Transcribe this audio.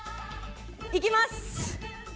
いきます。